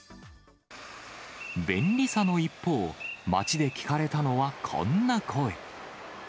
便利さの一方、街で聞かれたのはこんな声。